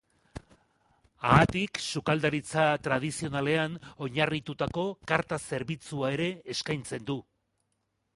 Haatik, sukaldaritza tradizionalean oinarritutako karta zerbitzua ere eskaintzen du.